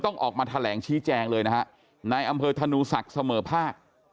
ออกมาแถลงชี้แจงเลยนะฮะในอำเภอธนูศักดิ์เสมอภาค